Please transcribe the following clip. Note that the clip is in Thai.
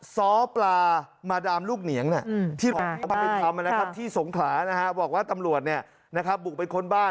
ซ้อปลามาดามลูกเหนียงที่สงขราบอกว่าตำรวจบุกไปคนบ้าน